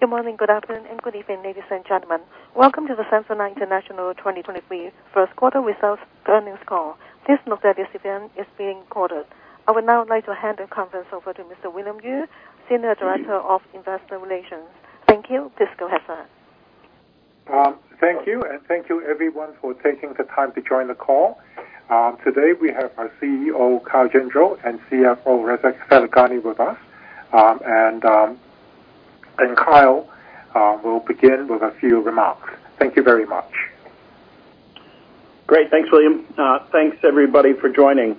Good morning, good afternoon and good evening, ladies and gentlemen. Welcome to the Samsonite International 2023 first quarter results earnings call. This event is being recorded. I would now like to hand the conference over to Mr. William Yue, Senior Director of Investor Relations. Thank you. Please go ahead, sir. Thank you, and thank you everyone for taking the time to join the call. Today, we have our CEO, Kyle Gendreau, and CFO, Reza Taleghani, with us. Kyle will begin with a few remarks. Thank you very much. Great. Thanks, William Yue. Thanks everybody for joining.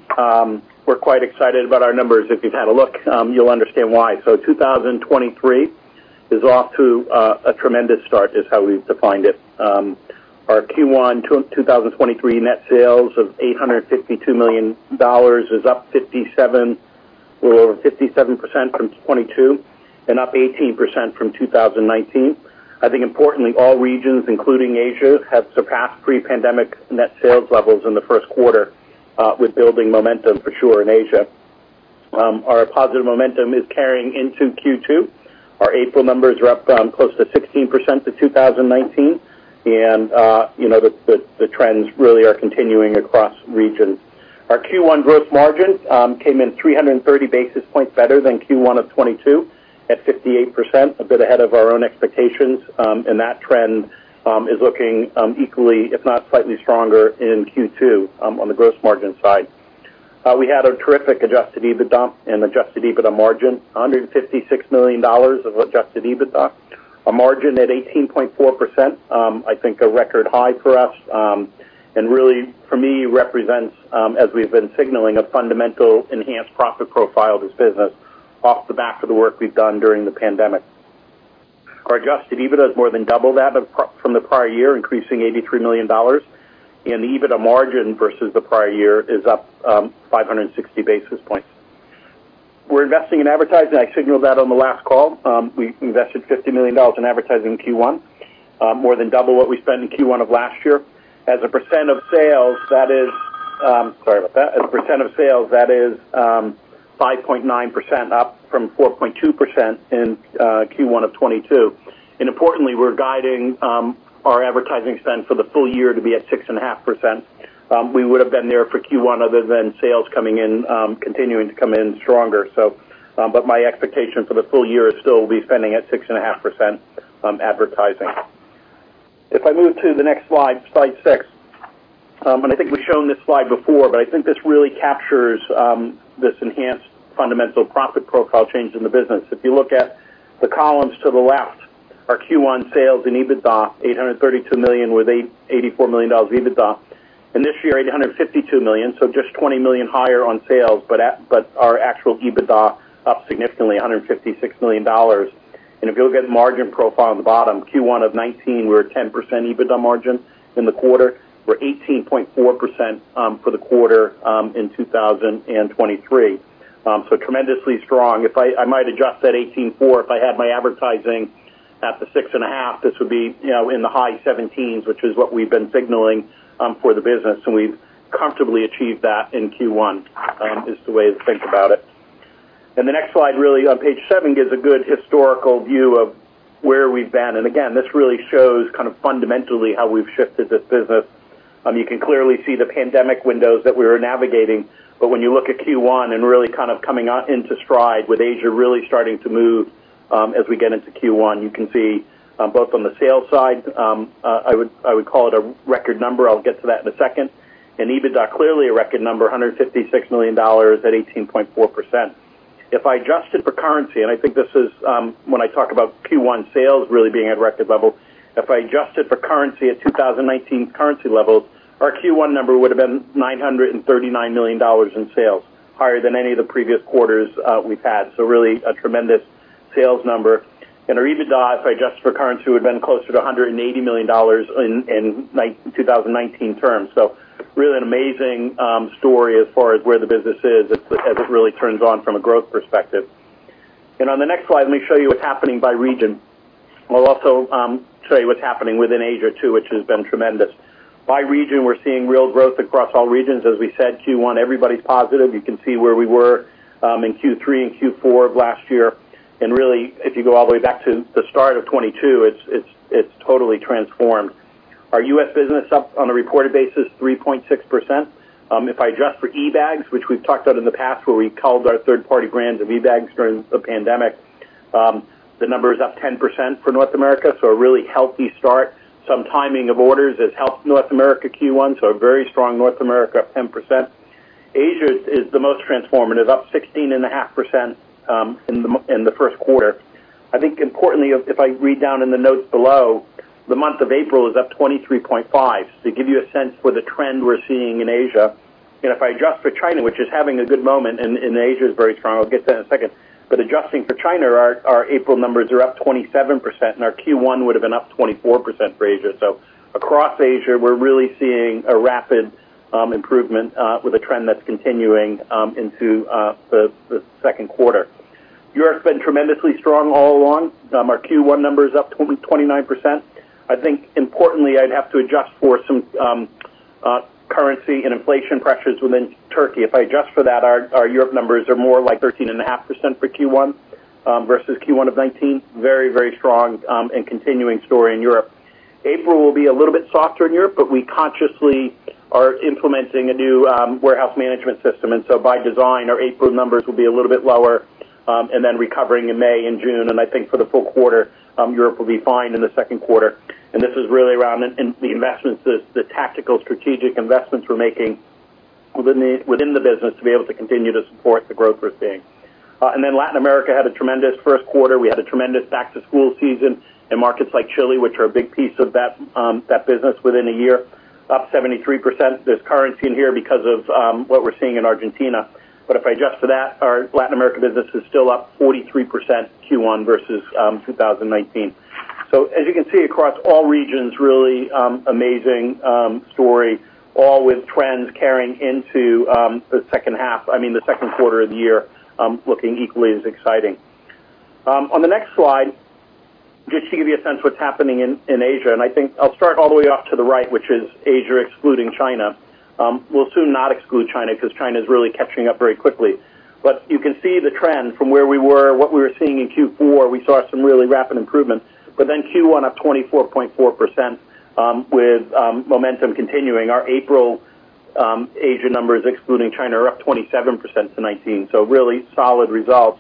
We're quite excited about our numbers. If you've had a look, you'll understand why. 2023 is off to a tremendous start is how we've defined it. Our Q1 2023 net sales of $852 million is up 57% or over 57% from 2022 and up 18% from 2019. I think importantly, all regions, including Asia, have surpassed pre-pandemic net sales levels in the first quarter, with building momentum for sure in Asia. Our positive momentum is carrying into Q2. Our April numbers are up close to 16% to 2019. You know, the trends really are continuing across regions. Our Q1 gross margin came in 330 basis points better than Q1 of 2022 at 58%, a bit ahead of our own expectations. That trend is looking equally, if not slightly stronger in Q2 on the gross margin side. We had a terrific adjusted EBITDA and adjusted EBITDA margin, $156 million of adjusted EBITDA, a margin at 18.4%, I think a record high for us, and really for me represents, as we've been signaling, a fundamental enhanced profit profile of this business off the back of the work we've done during the pandemic. Our adjusted EBITDA is more than double that from the prior year, increasing $83 million. The EBITDA margin versus the prior year is up 560 basis points. We're investing in advertising. I signaled that on the last call. We invested $50 million in advertising in Q1, more than double what we spent in Q1 of last year. As a percent of sales, that is, sorry about that. As a percent of sales, that is, 5.9%, up from 4.2% in Q1 2022. Importantly, we're guiding our advertising spend for the full year to be at 6.5%. We would've been there for Q1 other than sales coming in, continuing to come in stronger. My expectation for the full year is still be spending at 6.5% advertising. If I move to the next slide 6, I think we've shown this slide before, but I think this really captures, this enhanced fundamental profit profile change in the business. If you look at the columns to the left, our Q1 sales and EBITDA, $832 million, with $84 million EBITDA. This year, $852 million, so just $20 million higher on sales, but our actual EBITDA up significantly, $156 million. If you look at margin profile on the bottom, Q1 of 2019, we were at 10% EBITDA margin in the quarter. We're 18.4% for the quarter in 2023. Tremendously strong. If I might adjust that 18.4, if I had my advertising at the 6.5, this would be, you know, in the high 17s, which is what we've been signaling for the business, and we've comfortably achieved that in Q1, is the way to think about it. The next slide really on page seven gives a good historical view of where we've been. Again, this really shows kind of fundamentally how we've shifted this business. You can clearly see the pandemic windows that we were navigating. When you look at Q1 and really kind of coming out into stride with Asia really starting to move, as we get into Q1, you can see, both on the sales side, I would call it a record number. I'll get to that in a second. EBITDA, clearly a record number, $156 million at 18.4%. If I adjusted for currency, and I think this is, when I talk about Q1 sales really being at record level. If I adjusted for currency at 2019 currency levels, our Q1 number would've been $939 million in sales, higher than any of the previous quarters we've had. Really a tremendous sales number. Our EBITDA, if I adjust for currency, would've been closer to $180 million in 2019 terms. Really an amazing story as far as where the business is as it really turns on from a growth perspective. On the next slide, let me show you what's happening by region. I'll also show you what's happening within Asia too, which has been tremendous. By region, we're seeing real growth across all regions. As we said, Q1, everybody's positive. You can see where we were in Q3 and Q4 of last year. Really, if you go all the way back to the start of 2022, it's totally transformed. Our U.S. business is up on a reported basis 3.6%. If I adjust for eBags, which we've talked about in the past, where we culled our third party brands of eBags during the pandemic, the number is up 10% for North America, so a really healthy start. Some timing of orders has helped North America Q1, so a very strong North America, up 10%. Asia is the most transformative, up 16.5% in the first quarter. I think importantly, if I read down in the notes below, the month of April is up 23.5%, to give you a sense for the trend we're seeing in Asia. If I adjust for China, which is having a good moment, and Asia is very strong, I'll get to that in a second. Adjusting for China, our April numbers are up 27%, and our Q1 would've been up 24% for Asia. Across Asia, we're really seeing a rapid improvement, with a trend that's continuing into the second quarter. Europe's been tremendously strong all along. Our Q1 number is up 29%. I think importantly, I'd have to adjust for some currency and inflation pressures within Turkey. If I adjust for that, our Europe numbers are more like 13.5% for Q1 versus Q1 of 2019. Very strong and continuing story in Europe. April will be a little bit softer in Europe, but we consciously are implementing a new warehouse management system. By design, our April numbers will be a little bit lower, and then recovering in May and June. I think for the full quarter, Europe will be fine in the 2nd quarter. This is really around in the investments, the tactical strategic investments we're making within the business to be able to continue to support the growth we're seeing. Latin America had a tremendous 1st quarter. We had a tremendous back-to-school season in markets like Chile, which are a big piece of that business within a year, up 73%. There's currency in here because of what we're seeing in Argentina. If I adjust for that, our Latin America business is still up 43% Q1 versus 2019. As you can see across all regions, really, amazing story, all with trends carrying into the second quarter of the year, looking equally as exciting. On the next slide, just to give you a sense what's happening in Asia, and I think I'll start all the way off to the right, which is Asia excluding China. We'll soon not exclude China because China is really catching up very quickly. You can see the trend from where we were, what we were seeing in Q4, we saw some really rapid improvements. Q1, up 24.4% with momentum continuing. Our April Asia numbers excluding China are up 27% to 2019, so really solid results.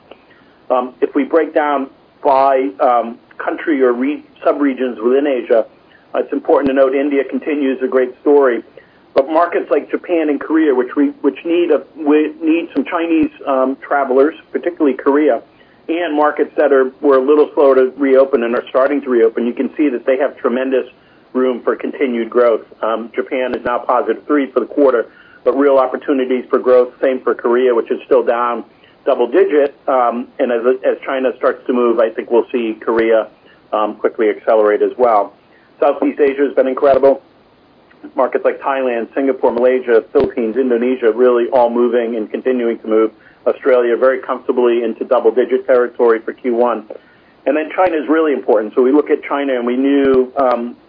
If we break down by country or subregions within Asia, it's important to note India continues a great story. Markets like Japan and Korea, which need some Chinese travelers, particularly Korea, and markets that were a little slow to reopen and are starting to reopen, you can see that they have tremendous room for continued growth. Japan is now +3% for the quarter, but real opportunities for growth. Same for Korea, which is still down double-digit. As China starts to move, I think we'll see Korea quickly accelerate as well. Southeast Asia has been incredible. Markets like Thailand, Singapore, Malaysia, Philippines, Indonesia, really all moving and continuing to move. Australia very comfortably into double digit territory for Q1. China is really important. We look at China and we knew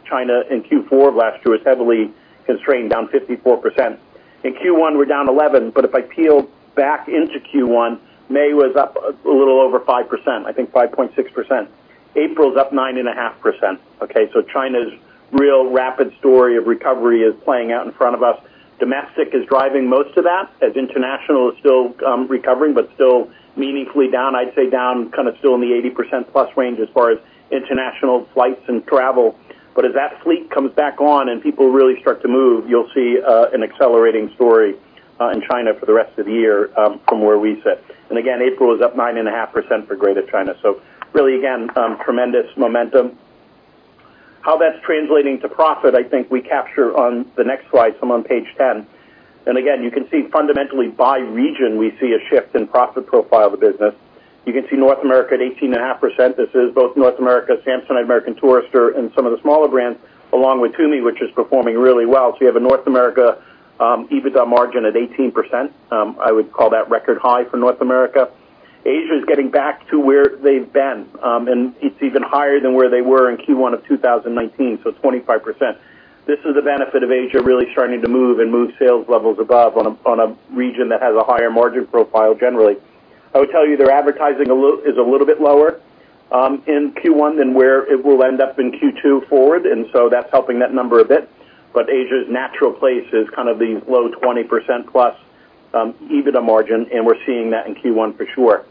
China in Q4 of last year was heavily constrained, down 54%. In Q1, we're down 11. If I peel back into Q1, May was up a little over 5%, I think 5.6%. April's up 9.5%. China's real rapid story of recovery is playing out in front of us. Domestic is driving most of that as international is still recovering, but still meaningfully down. I'd say down kind of still in the 80% plus range as far as international flights and travel. As that fleet comes back on and people really start to move, you'll see, an accelerating story in China for the rest of the year from where we sit. Again, April is up 9.5% for Greater China. Really, again, tremendous momentum. How that's translating to profit, I think we capture on the next slide. I'm on page 10. Again, you can see fundamentally by region, we see a shift in profit profile of the business. You can see North America at 18.5%. This is both North America, Samsonite, American Tourister, and some of the smaller brands, along with Tumi, which is performing really well. You have a North America, EBITDA margin at 18%. I would call that record high for North America. Asia is getting back to where they've been, and it's even higher than where they were in Q1 of 2019, so 25%. This is the benefit of Asia really starting to move and move sales levels above on a, on a region that has a higher margin profile generally. I would tell you their advertising a little, is a little bit lower, in Q1 than where it will end up in Q2 forward, and so that's helping that number a bit. Asia's natural place is kind of the low 20% plus, EBITDA margin, and we're seeing that in Q1 for sure.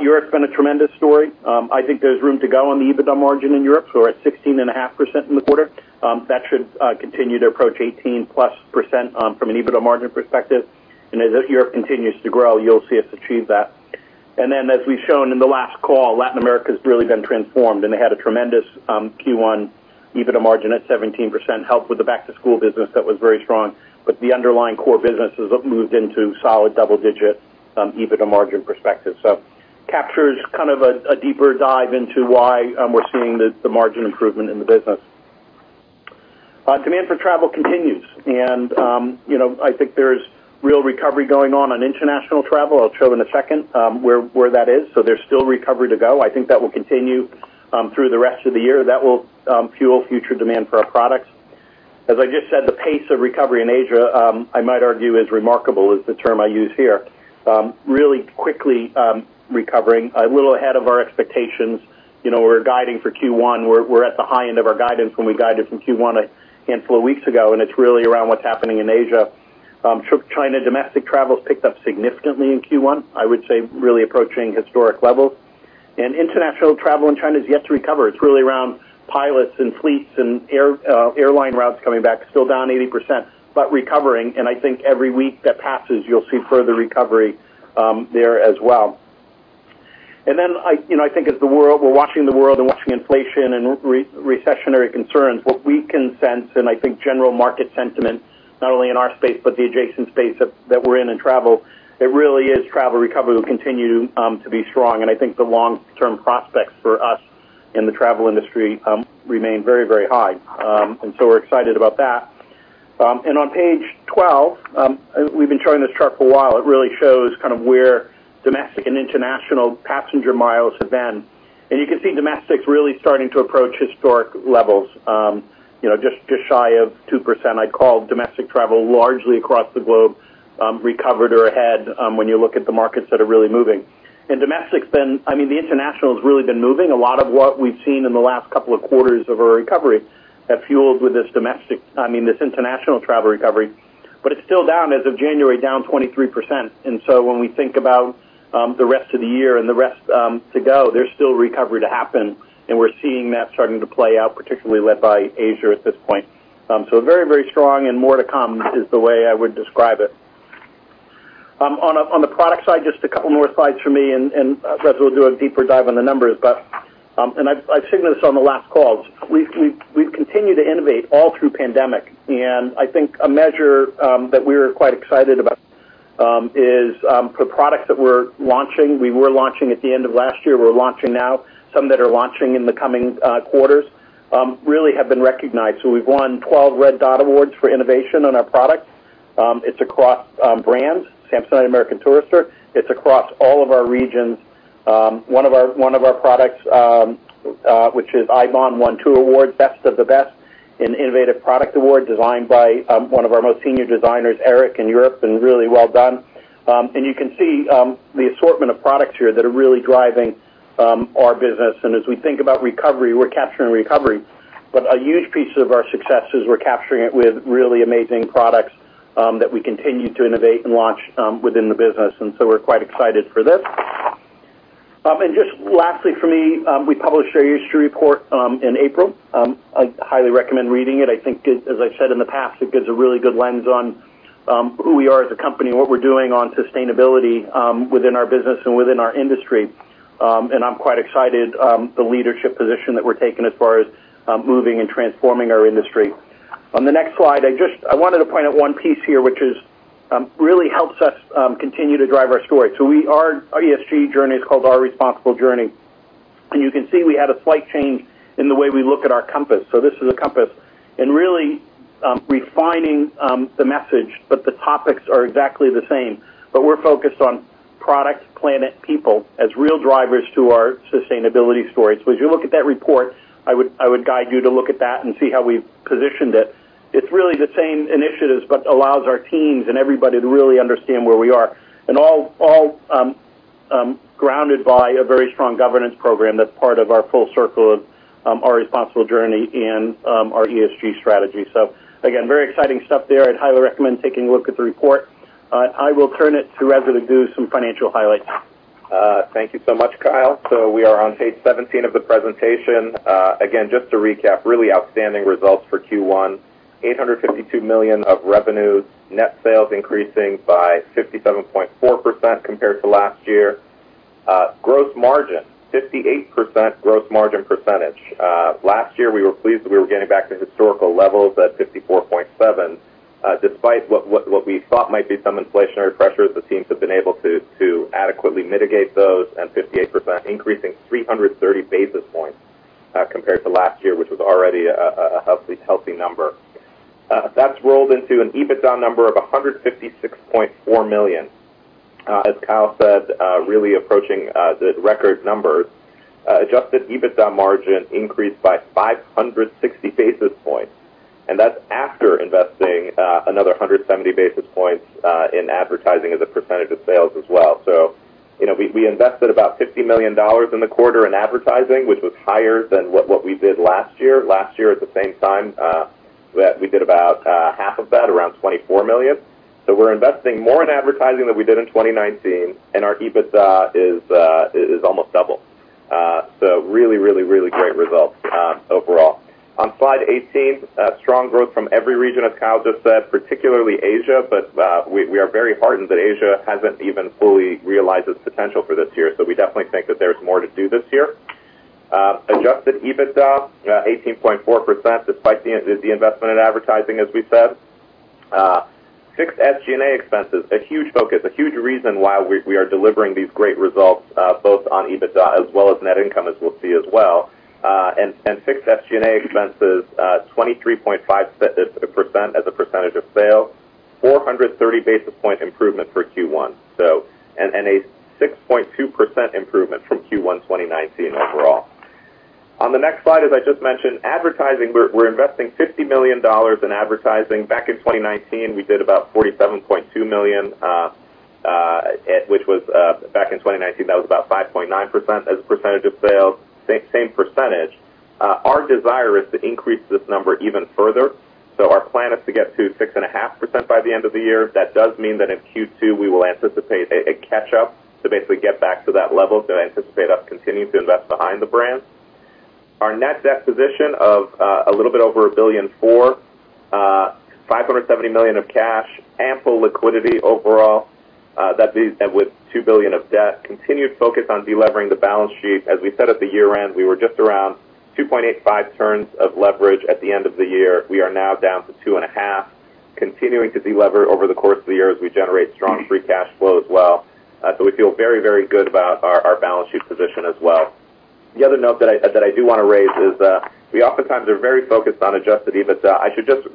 Europe's been a tremendous story. I think there's room to go on the EBITDA margin in Europe. We're at 16.5% in the quarter. That should continue to approach 18+% from an EBITDA margin perspective. As Europe continues to grow, you'll see us achieve that. As we've shown in the last call, Latin America has really been transformed, and they had a tremendous Q1 EBITDA margin at 17%, helped with the back-to-school business that was very strong. The underlying core business has moved into solid double digit EBITDA margin perspective. Captures kind of a deeper dive into why we're seeing the margin improvement in the business. Demand for travel continues. You know, I think there's real recovery going on on international travel. I'll show in a second where that is. There's still recovery to go. I think that will continue through the rest of the year. That will fuel future demand for our products. As I just said, the pace of recovery in Asia, I might argue is remarkable, is the term I use here. Really quickly recovering, a little ahead of our expectations. You know, we're guiding for Q1. We're at the high end of our guidance when we guided from Q1 a handful of weeks ago, and it's really around what's happening in Asia. China domestic travel has picked up significantly in Q1, I would say really approaching historic levels. International travel in China is yet to recover. It's really around pilots and fleets and airline routes coming back, still down 80%, but recovering. I think every week that passes, you'll see further recovery there as well. I, you know, I think as the world, we're watching the world and watching inflation and recessionary concerns, what we can sense, and I think general market sentiment, not only in our space, but the adjacent space that we're in in travel, it really is travel recovery will continue to be strong. I think the long-term prospects for us in the travel industry remain very, very high. We're excited about that. On page 12, we've been showing this chart for a while. It really shows kind of where domestic and international passenger miles have been. You can see domestics really starting to approach historic levels, you know, just shy of 2%. I'd call domestic travel largely across the globe, recovered or ahead, when you look at the markets that are really moving. Domestic's been I mean, the international has really been moving. A lot of what we've seen in the last couple of quarters of our recovery have fueled with this international travel recovery. It's still down as of January, down 23%. When we think about the rest of the year and the rest to go, there's still recovery to happen, and we're seeing that starting to play out, particularly led by Asia at this point. Very, very strong and more to come is the way I would describe it. On the product side, just a couple more slides for me, and Reza will do a deeper dive on the numbers. I've signaled this on the last calls. We've continued to innovate all through pandemic. I think a measure that we're quite excited about is the products that we're launching, we were launching at the end of last year, we're launching now, some that are launching in the coming quarters, really have been recognized. We've won 12 Red Dot awards for innovation on our products. It's across brands, Samsonite, American Tourister. It's across all of our regions. One of our products, which is IBON won two awards, Best of the Best in Innovative Product Award, designed by one of our most senior designers, Eric, in Europe, and really well done. You can see the assortment of products here that are really driving our business. As we think about recovery, we're capturing recovery. A huge piece of our success is we're capturing it with really amazing products that we continue to innovate and launch within the business. We're quite excited for this. Just lastly for me, we published our ESG report in April. I highly recommend reading it. I think it, as I've said in the past, it gives a really good lens on who we are as a company and what we're doing on sustainability within our business and within our industry. I'm quite excited, the leadership position that we're taking as far as moving and transforming our industry. On the next slide, I wanted to point out one piece here, which is really helps us continue to drive our story. Our ESG journey is called Our Responsible Journey. You can see we had a slight change in the way we look at our compass. This is a compass. Really, refining the message, but the topics are exactly the same. We're focused on products, planet, people as real drivers to our sustainability story. As you look at that report, I would guide you to look at that and see how we've positioned it. It's really the same initiatives, but allows our teams and everybody to really understand where we are. All grounded by a very strong governance program that's part of our full circle of Our Responsible Journey and our ESG strategy. Again, very exciting stuff there. I'd highly recommend taking a look at the report. I will turn it to Reza to do some financial highlights. Thank you so much, Kyle. We are on page 17 of the presentation. Again, just to recap, really outstanding results for Q1. $852 million of revenues, net sales increasing by 57.4% compared to last year. Gross margin, 58% gross margin percentage. Last year, we were pleased that we were getting back to historical levels at 54.7%. Despite what we thought might be some inflationary pressures, the teams have been able to adequately mitigate those and 58%, increasing 330 basis points compared to last year, which was already a healthy number. That's rolled into an EBITDA number of $156.4 million. As Kyle said, really approaching the record numbers. adjusted EBITDA margin increased by 560 basis points, and that's after investing another 170 basis points in advertising as a percentage of sales as well. You know, we invested about $50 million in the quarter in advertising, which was higher than what we did last year. Last year, at the same time, we did about half of that, around $24 million. We're investing more in advertising than we did in 2019, and our EBITDA is almost double. really great results overall. On slide 18, strong growth from every region, as Kyle just said, particularly Asia. We, we are very heartened that Asia hasn't even fully realized its potential for this year. We definitely think that there's more to do this year. adjusted EBITDA, 18.4%, despite the investment in advertising, as we said. fixed SG&A expenses, a huge focus, a huge reason why we are delivering these great results, both on EBITDA as well as net income, as we'll see as well. fixed SG&A expenses, 23.5% as a percentage of sale, 430 basis point improvement for Q1, a 6.2% improvement from Q1 2019 overall. On the next slide, as I just mentioned, advertising, we're investing $50 million in advertising. Back in 2019, we did about $47.2 million, which was back in 2019, that was about 5.9% as a percentage of sales. Same percentage. Our desire is to increase this number even further. Our plan is to get to 6.5% by the end of the year. That does mean that in Q2, we will anticipate a catch-up to basically get back to that level. I anticipate us continuing to invest behind the brands. Our net debt position of a little bit over $1.4 billion, $570 million of cash, ample liquidity overall, that with $2 billion of debt. Continued focus on delevering the balance sheet. As we said at the year-end, we were just around 2.85 turns of leverage at the end of the year. We are now down to 2.5, continuing to delever over the course of the year as we generate strong free cash flow as well. We feel very, very good about our balance sheet position as well. The other note that I do wanna raise is, we oftentimes are very focused on adjusted EBITDA. I should just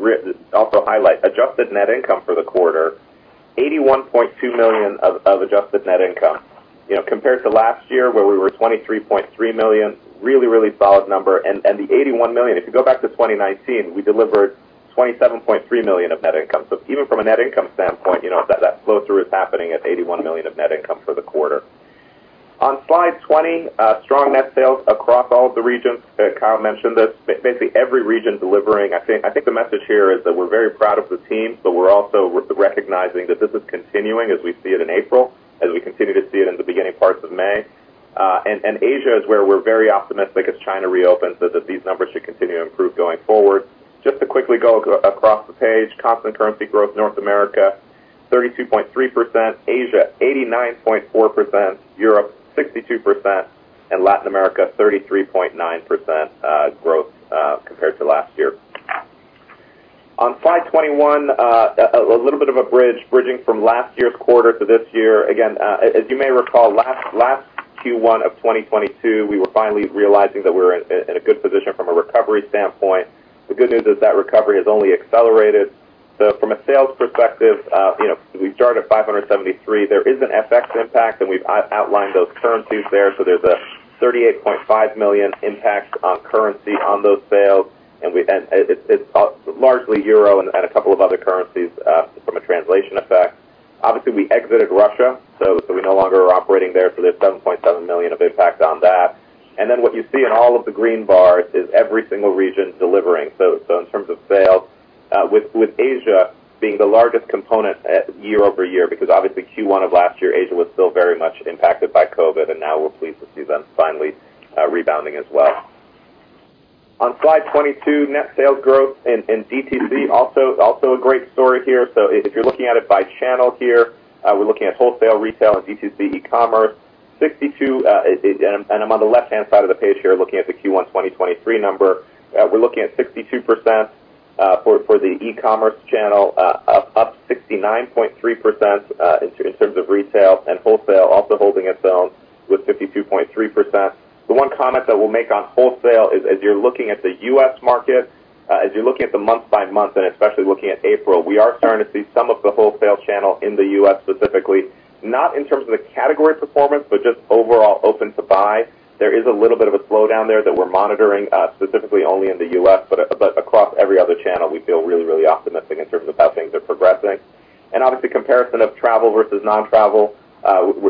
also highlight adjusted net income for the quarter. $81.2 million of adjusted net income, you know, compared to last year where we were $23.3 million. Really solid number. The $81 million, if you go back to 2019, we delivered $27.3 million of net income. Even from a net income standpoint, you know, that flow-through is happening at $81 million of net income for the quarter. On slide 20, strong net sales across all of the regions. Kyle mentioned this, maybe every region delivering. I think the message here is that we're very proud of the team, we're also recognizing that this is continuing as we see it in April, as we continue to see it in the beginning parts of May. Asia is where we're very optimistic as China reopens, these numbers should continue to improve going forward. Just to quickly go across the page, constant currency growth, North America 32.3%, Asia 89.4%, Europe 62%, Latin America 33.9% growth compared to last year. On slide 21, a little bit of a bridge bridging from last year's quarter to this year. Again, as you may recall, last Q1 of 2022, we were finally realizing that we were in a good position from a recovery standpoint. The good news is that recovery has only accelerated. From a sales perspective, you know, we started at $573. There is an FX impact, and we've outlined those currencies there. There's a $38.5 million impact on currency on those sales. It's largely euro and a couple of other currencies from a translation effect. Obviously, we exited Russia, so we no longer are operating there, so there's $7.7 million of impact on that. What you see in all of the green bars is every single region delivering. In terms of sales, with Asia being the largest component at year-over-year, because obviously Q1 of last year, Asia was still very much impacted by COVID, and now we're pleased to see them finally rebounding as well. On slide 22, net sales growth in D2C also a great story here. If you're looking at it by channel here, we're looking at wholesale, retail and D2C, e-commerce. 62, I'm on the left-hand side of the page here looking at the Q1 2023 number. We're looking at 62% for the e-commerce channel. Up 69.3% in terms of retail. Wholesale also holding its own with 52.3%. The one comment I will make on wholesale is as you're looking at the U.S. market, as you're looking at the month by month, and especially looking at April, we are starting to see some of the wholesale channel in the U.S. specifically, not in terms of the category performance, but just overall open to buy. There is a little bit of a slowdown there that we're monitoring, specifically only in the U.S., but across every other channel we feel really, really optimistic in terms of how things are progressing. Obviously, comparison of travel versus non-travel,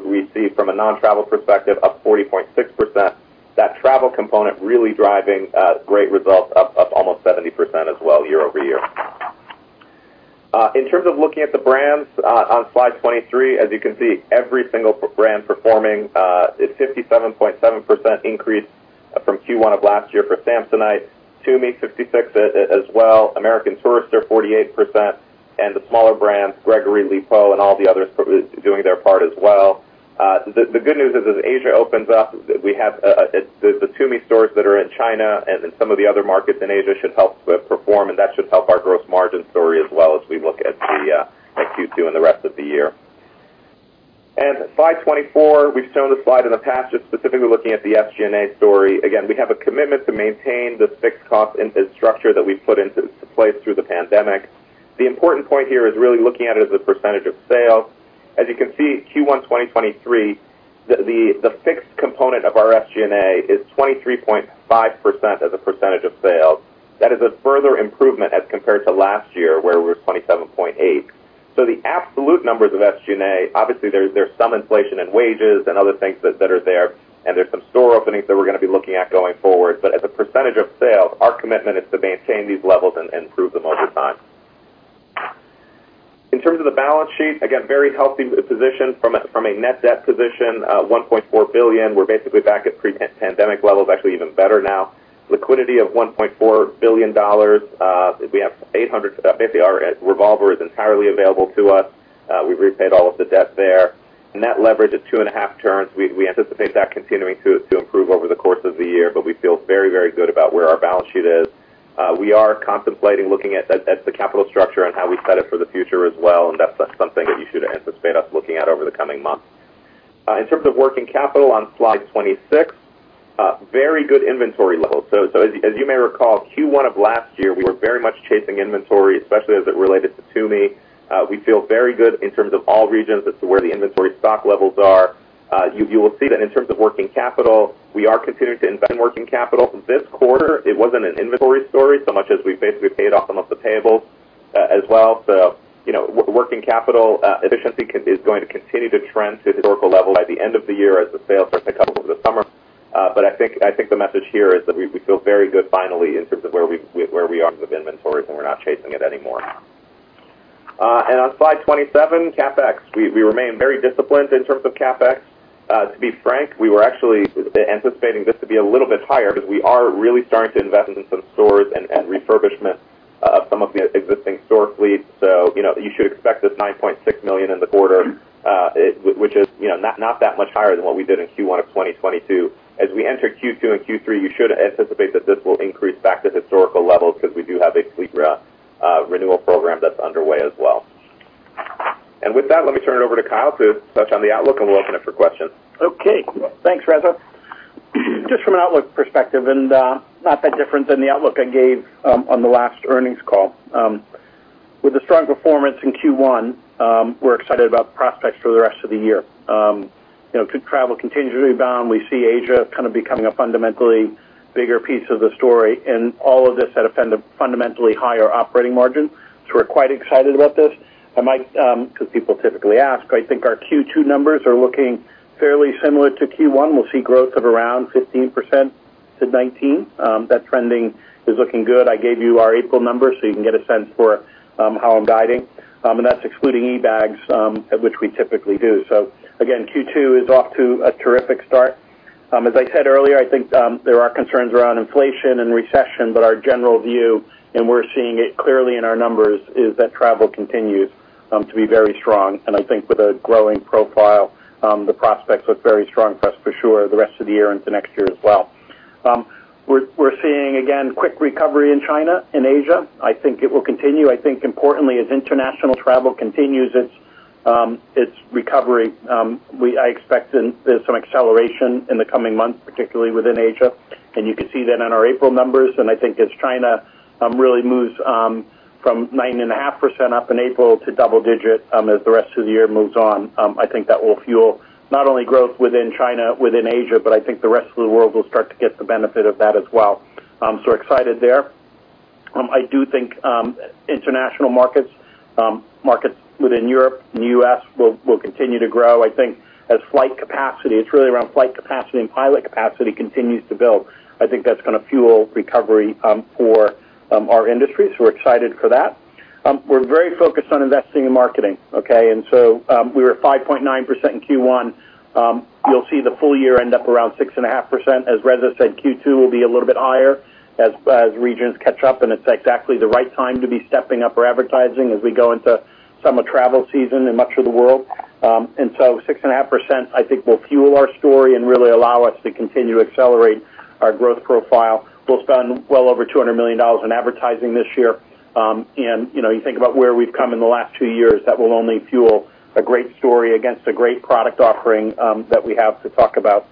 we see from a non-travel perspective up 40.6%. That travel component really driving great results up almost 70% as well year-over-year. In terms of looking at the brands, on slide 23, as you can see, every single brand performing, a 57.7% increase from Q1 of last year for Samsonite. Tumi, 66 as well. American Tourister, 48%. The smaller brands, Gregory, Lipault, and all the others doing their part as well. The good news is as Asia opens up, we have the Tumi stores that are in China and in some of the other markets in Asia should help to perform, and that should help our gross margin story as well as we look at Q2 and the rest of the year. Slide 24, we've shown this slide in the past, just specifically looking at the SG&A story. We have a commitment to maintain the fixed cost structure that we've put into place through the pandemic. The important point here is really looking at it as a percentage of sales. As you can see, Q1 2023, the fixed component of our SG&A is 23.5% as a percentage of sales. That is a further improvement as compared to last year, where we were 27.8%. The absolute numbers of SG&A, obviously, there's some inflation in wages and other things that are there, and there's some store openings that we're gonna be looking at going forward. As a percentage of sales, our commitment is to maintain these levels and improve them over time. In terms of the balance sheet, very healthy position from a net debt position, $1.4 billion. We're basically back at pre-pandemic levels, actually even better now. Liquidity of $1.4 billion. Basically our revolver is entirely available to us. We've repaid all of the debt there. Net leverage is 2.5 turns. We anticipate that continuing to improve over the course of the year, but we feel very good about where our balance sheet is. We are contemplating looking at the capital structure and how we set it for the future as well, and that's something that you should anticipate us looking at over the coming months. In terms of working capital on slide 26, very good inventory levels. As you may recall, Q1 of last year, we were very much chasing inventory, especially as it related to Tumi. We feel very good in terms of all regions as to where the inventory stock levels are. You, you will see that in terms of working capital, we are continuing to invest in working capital. This quarter, it wasn't an inventory story so much as we basically paid off some of the payables as well. You know, working capital efficiency is going to continue to trend to historical level by the end of the year as the sales are going to come up over the summer. I think, I think the message here is that we feel very good finally in terms of where we, where we are with inventories, and we're not chasing it anymore. On slide 27, CapEx. We, we remain very disciplined in terms of CapEx. To be frank, we were actually anticipating this to be a little bit higher because we are really starting to invest in some stores and refurbishment of some of the existing store fleet. You know, you should expect this $9.6 million in the quarter, which is, you know, not that much higher than what we did in Q1 of 2022. As we enter Q2 and Q3, you should anticipate that this will increase back to historical levels because we do have a fleet renewal program that's underway as well. With that, let me turn it over to Kyle to touch on the outlook, and we'll open it for questions. Okay. Thanks, Reza. Just from an outlook perspective, not that different than the outlook I gave on the last earnings call. With the strong performance in Q1, we're excited about the prospects for the rest of the year. You know, could travel continue to rebound. We see Asia kind of becoming a fundamentally bigger piece of the story and all of this at a fundamentally higher operating margin. We're quite excited about this. I might, because people typically ask, I think our Q2 numbers are looking fairly similar to Q1. We'll see growth of around 15%-19%. That trending is looking good. I gave you our April numbers, you can get a sense for how I'm guiding. And that's excluding eBags, at which we typically do. Again, Q2 is off to a terrific start. As I said earlier, I think there are concerns around inflation and recession, but our general view, and we're seeing it clearly in our numbers, is that travel continues to be very strong. I think with a growing profile, the prospects look very strong for us for sure, the rest of the year into next year as well. We're seeing, again, quick recovery in China, in Asia. I think it will continue. I think importantly, as international travel continues its recovery, I expect there's some acceleration in the coming months, particularly within Asia. You can see that in our April numbers. I think as China really moves from 9.5% up in April to double-digit as the rest of the year moves on, I think that will fuel not only growth within China, within Asia, but I think the rest of the world will start to get the benefit of that as well. Excited there. I do think international markets within Europe and U.S. will continue to grow. I think as flight capacity, it's really around flight capacity and pilot capacity continues to build. I think that's gonna fuel recovery for our industry. We're excited for that. We're very focused on investing in marketing, okay? We were at 5.9% in Q1. You'll see the full year end up around 6.5%. As Reza said, Q2 will be a little bit higher as regions catch up. It's exactly the right time to be stepping up our advertising as we go into summer travel season in much of the world. 6.5%, I think, will fuel our story and really allow us to continue to accelerate our growth profile. We'll spend well over $200 million in advertising this year. You know, you think about where we've come in the last two years, that will only fuel a great story against a great product offering that we have to talk about.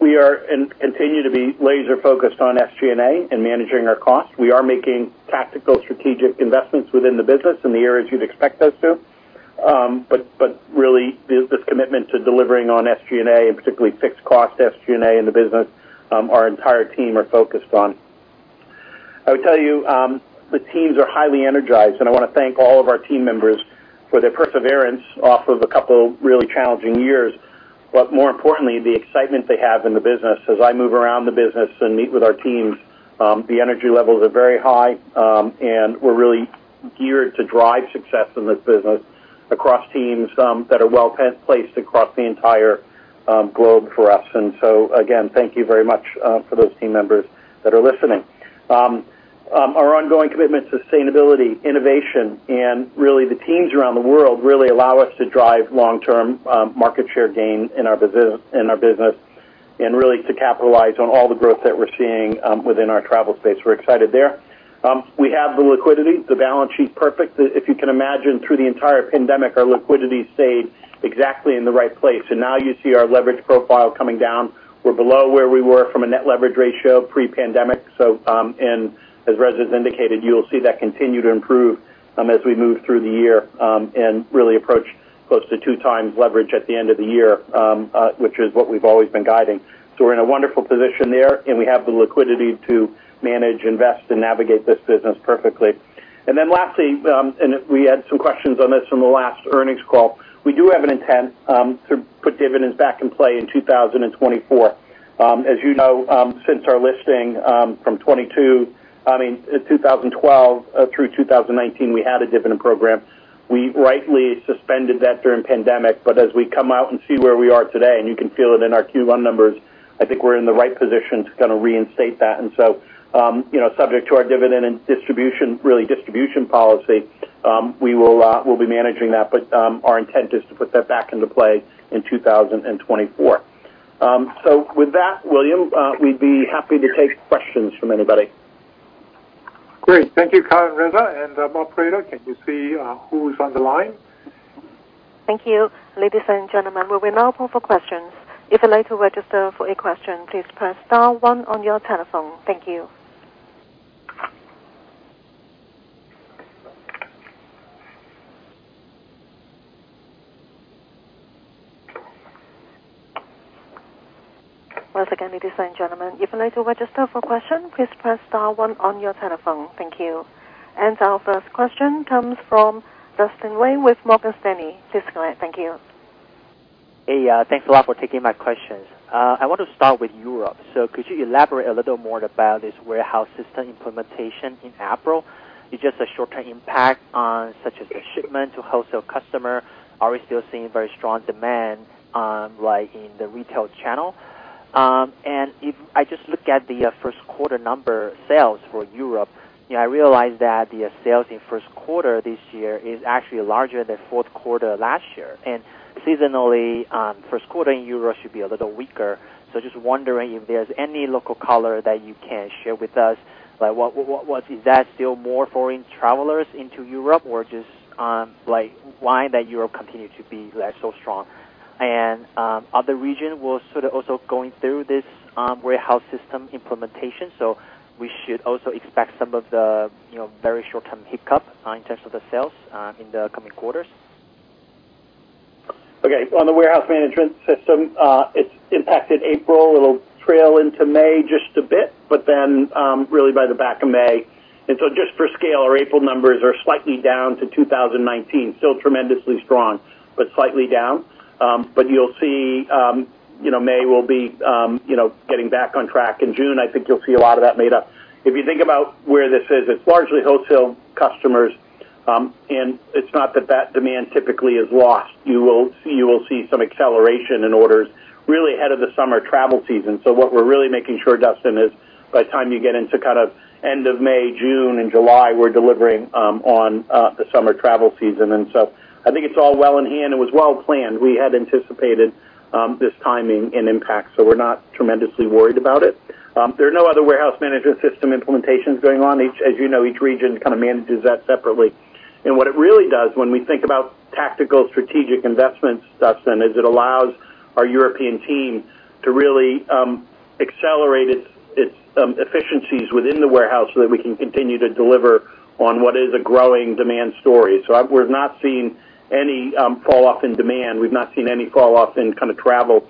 We are and continue to be laser-focused on SG&A and managing our costs. We are making tactical strategic investments within the business in the areas you'd expect us to. Really this commitment to delivering on SG&A and particularly fixed cost SG&A in the business, our entire team are focused on. I would tell you, the teams are highly energized, and I wanna thank all of our team members for their perseverance off of a couple of really challenging years. More importantly, the excitement they have in the business. As I move around the business and meet with our teams, the energy levels are very high, and we're really geared to drive success in this business across teams, that are well placed across the entire globe for us. Again, thank you very much for those team members that are listening. Our ongoing commitment to sustainability, innovation, and really the teams around the world really allow us to drive long-term market share gain in our business and really to capitalize on all the growth that we're seeing within our travel space. We're excited there. We have the liquidity, the balance sheet's perfect. If you can imagine through the entire pandemic, our liquidity stayed exactly in the right place. Now you see our leverage profile coming down. We're below where we were from a net leverage ratio pre-pandemic. As Reza's indicated, you'll see that continue to improve as we move through the year and really approach close to 2x leverage at the end of the year, which is what we've always been guiding. We're in a wonderful position there, and we have the liquidity to manage, invest, and navigate this business perfectly. Lastly, we had some questions on this from the last earnings call. We do have an intent to put dividends back in play in 2024. As you know, since our listing, from 2022, I mean 2012, through 2019, we had a dividend program. We rightly suspended that during pandemic. As we come out and see where we are today, and you can feel it in our Q1 numbers, I think we're in the right position to kinda reinstate that. You know, subject to our dividend and distribution, really distribution policy, we will, we'll be managing that. Our intent is to put that back into play in 2024. With that, William, we'd be happy to take questions from anybody. Great. Thank you, Kyle and Reza. Operator, can you see who is on the line? Thank you. Ladies and gentlemen, we will now open for questions. If you'd like to register for a question, please press star one on your telephone. Thank you. Once again, ladies and gentlemen, if you'd like to register for a question, please press star one on your telephone. Thank you. Our first question comes from Justin Wang with Morgan Stanley. Please go ahead. Thank you. Hey, thanks a lot for taking my questions. I want to start with Europe. Could you elaborate a little more about this warehouse system implementation in April? Is it just a short-term impact on such as a shipment to wholesale customer? Are we still seeing very strong demand, like in the retail channel? If I just look at the first quarter number sales for Europe, you know, I realize that the sales in first quarter this year is actually larger than fourth quarter last year. Seasonally, first quarter in Europe should be a little weaker. Just wondering if there's any local color that you can share with us. Like what is that still more foreign travelers into Europe or just, like why that Europe continue to be, like, so strong? Other region will sort of also going through this, warehouse system implementation. We should also expect some of the, you know, very short-term hiccup in terms of the sales in the coming quarters. Okay. On the warehouse management system, it's impacted April. It'll trail into May just a bit, really by the back of May. Just for scale, our April numbers are slightly down to 2019. Still tremendously strong, but slightly down. You'll see, you know, May will be, you know, getting back on track. In June, I think you'll see a lot of that made up. If you think about where this is, it's largely wholesale customers, and it's not that that demand typically is lost. You will see some acceleration in orders really ahead of the summer travel season. What we're really making sure, Justin, is by the time you get into kind of end of May, June and July, we're delivering on the summer travel season. I think it's all well in hand. It was well planned. We had anticipated this timing and impact, so we're not tremendously worried about it. There are no other warehouse management system implementations going on. Each, as you know, each region kind of manages that separately. What it really does when we think about tactical strategic investments, Justin, is it allows our European team to really accelerate its efficiencies within the warehouse so that we can continue to deliver on what is a growing demand story. We've not seen any fall off in demand. We've not seen any fall off in kind of travel.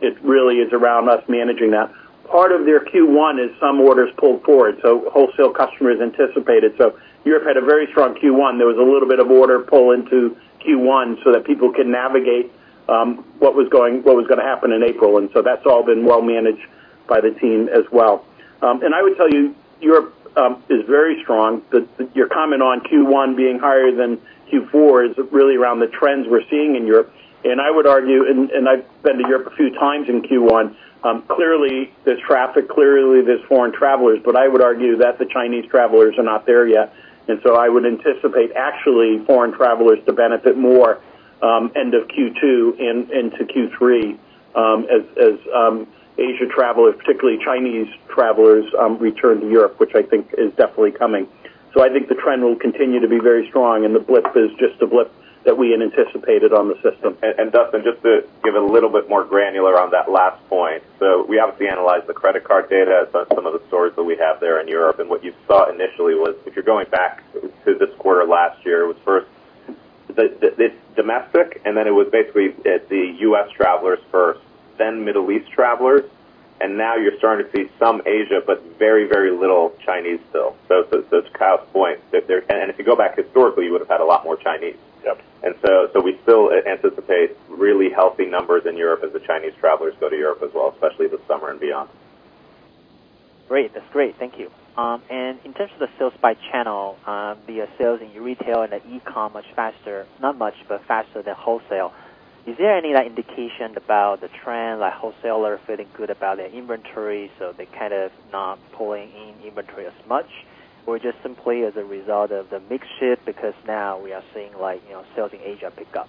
It really is around us managing that. Part of their Q1 is some orders pulled forward, so wholesale customers anticipated. Europe had a very strong Q1. There was a little bit of order pull into Q1 so that people could navigate, what was gonna happen in April. That's all been well managed by the team as well. I would tell you, Europe, is very strong. The your comment on Q1 being higher than Q4 is really around the trends we're seeing in Europe. I would argue, I've been to Europe a few times in Q1, clearly there's traffic, clearly there's foreign travelers, but I would argue that the Chinese travelers are not there yet. I would anticipate actually foreign travelers to benefit more, end of Q2 and into Q3, as Asia travelers, particularly Chinese travelers, return to Europe, which I think is definitely coming. I think the trend will continue to be very strong, and the blip is just a blip that we had anticipated on the system. and Justin, just to give a little bit more granular on that last point. We obviously analyzed the credit card data at some of the stores that we have there in Europe. What you saw initially was if you're going back to this quarter last year, it was first this domestic, and then it was basically the U.S. travelers first, then Middle East travelers. Now you're starting to see some Asia, but very, very little Chinese still. To Kyle Gendreau's point, if you go back historically, you would have had a lot more Chinese. Yep. We still anticipate really healthy numbers in Europe as the Chinese travelers go to Europe as well, especially this summer and beyond. Great. That's great. Thank you. In terms of the sales by channel, the sales in retail and the e-com much faster, not much, but faster than wholesale, is there any, like, indication about the trend, like wholesale are feeling good about their inventory, so they're kind of not pulling in inventory as much, or just simply as a result of the mix shift because now we are seeing like, you know, sales in Asia pick up?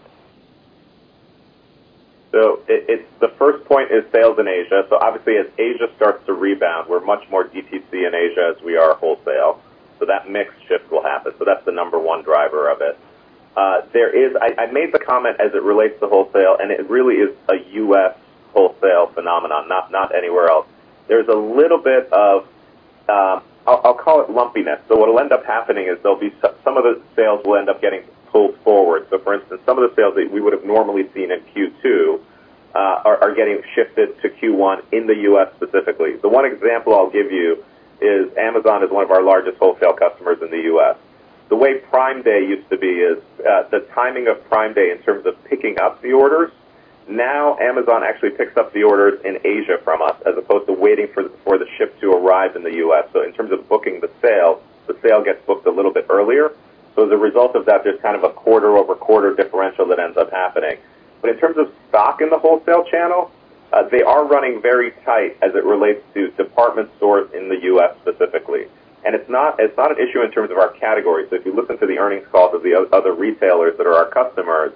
The first point is sales in Asia. Obviously, as Asia starts to rebound, we're much more DTC in Asia as we are wholesale. That mix shift will happen. That's the number one driver of it. There is. I made the comment as it relates to wholesale, and it really is a U.S. wholesale phenomenon, not anywhere else. There's a little bit of, I'll call it lumpiness. What'll end up happening is there'll be some of the sales will end up getting pulled forward. For instance, some of the sales that we would have normally seen in Q2 are getting shifted to Q1 in the U.S. specifically. The 1 example I'll give you is Amazon is one of our largest wholesale customers in the U.S. The way Prime Day used to be is, the timing of Prime Day in terms of picking up the orders, now Amazon actually picks up the orders in Asia from us as opposed to waiting for the ship to arrive in the U.S. In terms of booking the sale, the sale gets booked a little bit earlier. As a result of that, there's kind of a quarter-over-quarter differential that ends up happening. In terms of stock in the wholesale channel, they are running very tight as it relates to department stores in the U.S. specifically. It's not an issue in terms of our categories. If you listen to the earnings calls of the other retailers that are our customers,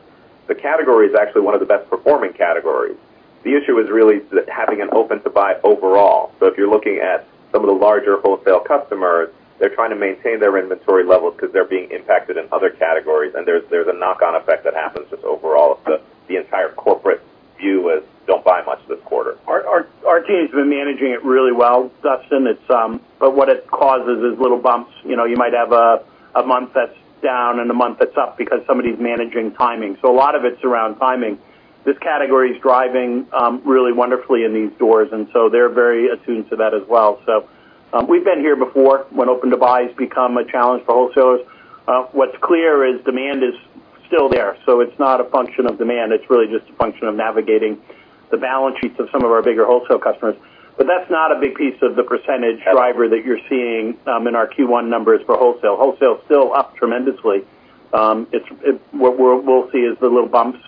the category is actually one of the best performing categories. The issue is really having an open to buy overall. If you're looking at some of the larger wholesale customers, they're trying to maintain their inventory levels because they're being impacted in other categories, and there's a knock-on effect that happens just overall if the entire corporate view is don't buy much this quarter. Our team's been managing it really well, Justin. What it causes is little bumps. You know, you might have a month that's down and a month that's up because somebody's managing timing. A lot of it's around timing. This category is driving really wonderfully in these stores, and so they're very attuned to that as well. We've been here before when open to buy has become a challenge for wholesalers. What's clear is demand is still there. It's not a function of demand. It's really just a function of navigating the balance sheets of some of our bigger wholesale customers. That's not a big piece of the percentage driver that you're seeing in our Q1 numbers for wholesale. Wholesale is still up tremendously. What we'll see is the little bumps,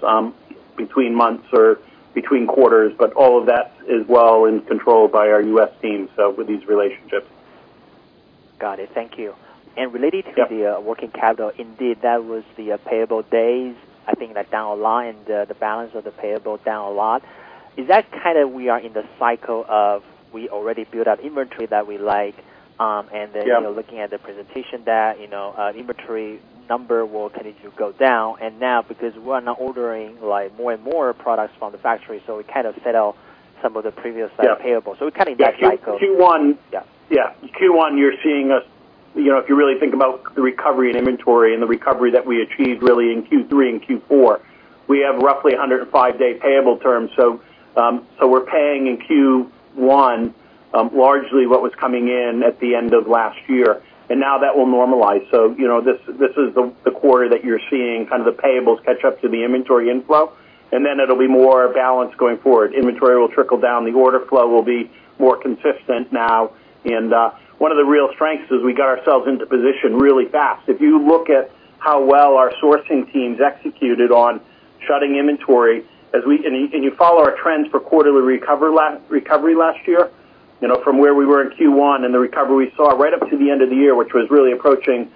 between months or between quarters, but all of that is well in control by our U.S. team, with these relationships. Got it. Thank you. Yep. Related to the working capital, indeed, that was the payable days, I think that down a lot and the balance of the payable down a lot. Is that kind of we are in the cycle of we already built up inventory that we like, and then- Yeah... looking at the presentation that, you know, inventory number will continue to go down. Now because we're not ordering like more and more products from the factory, so we kind of set out some of the Yeah... side of payable. We kind of get cycle. Yeah. Q1. Yeah. Yeah. Q1, you're seeing us, you know, if you really think about the recovery in inventory and the recovery that we achieved really in Q3 and Q4, we have roughly 105 day payable terms. We're paying in Q1, largely what was coming in at the end of last year, and now that will normalize. You know, this is the quarter that you're seeing kind of the payables catch up to the inventory inflow, and then it'll be more balanced going forward. Inventory will trickle down. The order flow will be more consistent now. One of the real strengths is we got ourselves into position really fast. If you look at how well our sourcing teams executed on shutting inventory as we, and you, and you follow our trends for quarterly recovery last year, you know, from where we were in Q1 and the recovery we saw right up to the end of the year, which was really approaching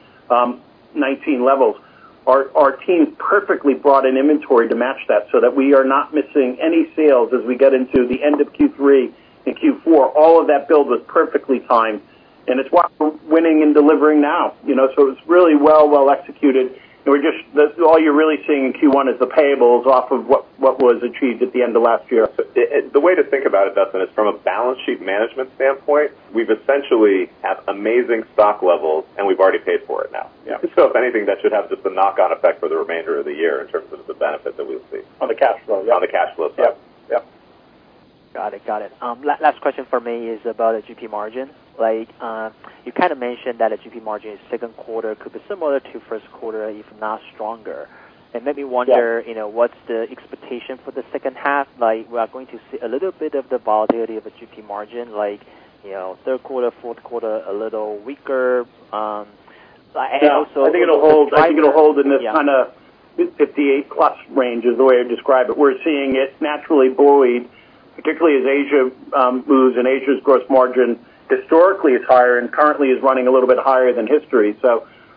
19 levels. Our teams perfectly brought in inventory to match that so that we are not missing any sales as we get into the end of Q3 and Q4. All of that build was perfectly timed, and it's why we're winning and delivering now. You know, it's really well executed. This is all you're really seeing in Q1 is the payables off of what was achieved at the end of last year. The, the way to think about it, Justin, is from a balance sheet management standpoint, we've essentially at amazing stock levels, and we've already paid for it now. Yeah. If anything that should have just a knock on effect for the remainder of the year in terms of the benefit that we'll see. On the cash flow. Yeah. On the cash flow. Yep. Yep. Got it. Got it. last question for me is about a GP margin. Like, you kind of mentioned that a GP margin in second quarter could be similar to first quarter, if not stronger. It made me wonder- Yeah... you know, what's the expectation for the second half? Like, we're going to see a little bit of the volatility of a GP margin like, you know, third quarter, fourth quarter, a little weaker. Yeah. I think it'll hold in this kind of. Yeah... 58 plus range is the way I describe it. We're seeing it naturally buoyed, particularly as Asia moves and Asia's gross margin historically is higher and currently is running a little bit higher than history.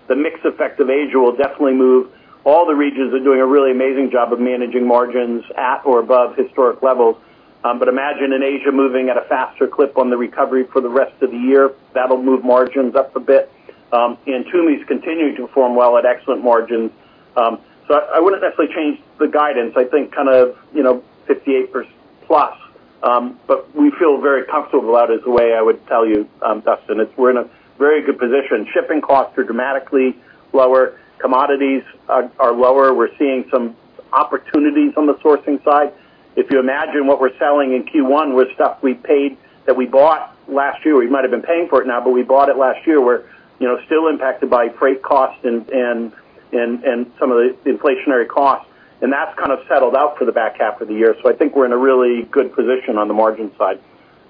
The mix effect of Asia will definitely move. All the regions are doing a really amazing job of managing margins at or above historic levels. Imagine in Asia moving at a faster clip on the recovery for the rest of the year, that'll move margins up a bit. Tumi's continuing to perform well at excellent margins. I wouldn't necessarily change the guidance. I think kind of, you know, 58+. We feel very comfortable about it is the way I would tell you, Justin Wang. It's we're in a very good position. Shipping costs are dramatically lower. Commodities are lower. We're seeing some opportunities on the sourcing side. If you imagine what we're selling in Q1 was stuff we paid, that we bought last year. We might have been paying for it now, but we bought it last year. We're, you know, still impacted by freight costs and some of the inflationary costs, and that's kind of settled out for the back half of the year. I think we're in a really good position on the margin side.